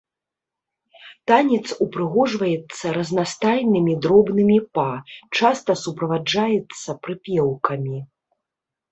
Танец упрыгожваецца разнастайнымі дробнымі па, часта суправаджаецца прыпеўкамі.